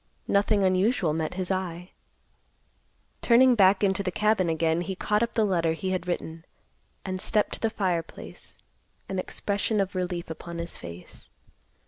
Nothing unusual met his eye. Turning back into the cabin again, he caught up the letter he had written, and stepped to the fireplace, an expression of relief upon his face.